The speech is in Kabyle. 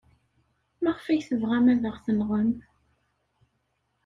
Maɣef ay tebɣam ad aɣ-tenɣem?